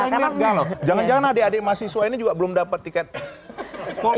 saya ngerjakan loh jangan jangan adik adik mahasiswa ini juga belum dapat tiket coldplay